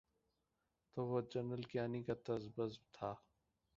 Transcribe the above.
تو وہ جنرل کیانی کا تذبذب تھا۔